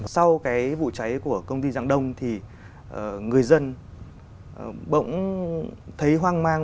sau cái vụ cháy của công ty giảng đông thì người dân bỗng thấy hoang mang